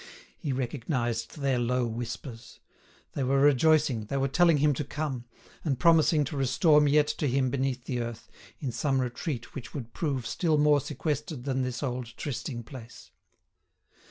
He recognised their low whispers. They were rejoicing, they were telling him to come, and promising to restore Miette to him beneath the earth, in some retreat which would prove still more sequestered than this old trysting place.